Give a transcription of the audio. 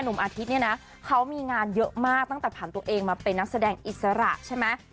อาทิตย์เนี่ยนะเขามีงานเยอะมากตั้งแต่ผ่านตัวเองมาเป็นนักแสดงอิสระใช่ไหม